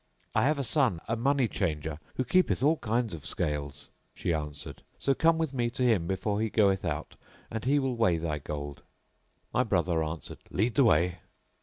"I have a son, a money changer, who keepeth all kinds of scales," she answered, "so come with me to him before he goeth out and he will weigh thy gold." My brother answered "Lead the way!"